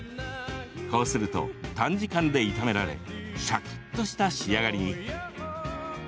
こうすると、短時間で炒められシャキっとした仕上がりに。